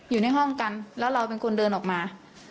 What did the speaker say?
อยู่ในห้องกันแล้วเราเป็นคนเดินออกมา